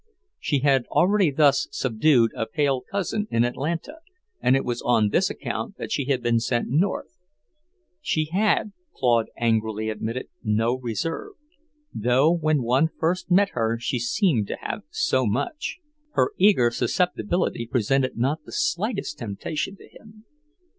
She had already thus subdued a pale cousin in Atlanta, and it was on this account that she had been sent North. She had, Claude angrily admitted, no reserve, though when one first met her she seemed to have so much. Her eager susceptibility presented not the slightest temptation to him.